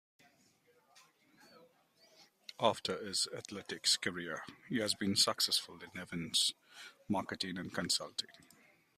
After his athletics career, he has been successful in events marketing and consulting.